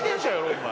お前。